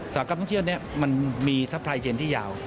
สถานการณ์ทางเที่ยวนี้มันมีสะพายเจนที่ยาว